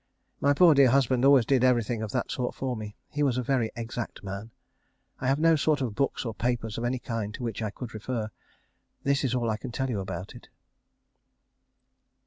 My poor dear husband always did everything of that sort for me. He was a very exact man. I have no sort of books or papers of any kind to which I could refer. This is all I can tell you about it.